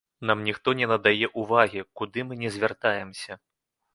Нам ніхто не надае ўвагі, куды мы ні звяртаемся.